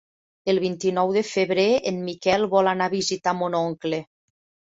El vint-i-nou de febrer en Miquel vol anar a visitar mon oncle.